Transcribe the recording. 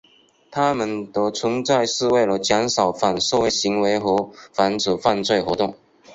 他们的存在是为了减少反社会行为和防止犯罪活动。